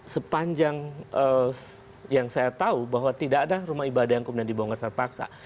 sepanjang yang saya tahu bahwa tidak ada rumah ibadah yang kemudian dibongkar terpaksa